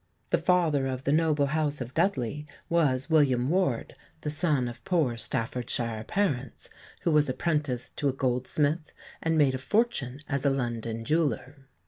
The father of the noble house of Dudley was William Ward, the son of poor Staffordshire parents, who was apprenticed to a goldsmith and made a fortune as a London jeweller.